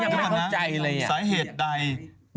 นี่พยายามทำอารมณ์และยังไม่เข้าใจเลย